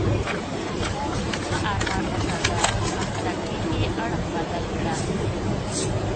په خوب ښه ارمان وکاږه، که په تکلیف یې اړخ بدل کړه.